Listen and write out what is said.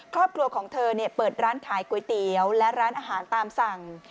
ครอบครัวของเธอเปิดร้านขายก๋วยเตี๋ยวและร้านอาหารตามสั่ง